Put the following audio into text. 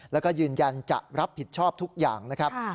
แล้วก็ยืนยันจะรับผิดชอบทุกอย่างนะครับ